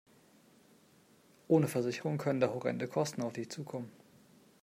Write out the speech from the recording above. Ohne Versicherung können da horrende Kosten auf dich zukommen.